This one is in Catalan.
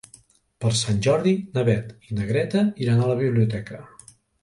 Per Sant Jordi na Beth i na Greta iran a la biblioteca.